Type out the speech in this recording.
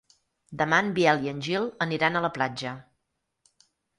Demà en Biel i en Gil aniran a la platja.